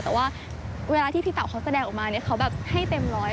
แต่ว่าเวลาที่พี่เต๋าเขาแสดงออกมาเนี่ยเขาแบบให้เต็มร้อย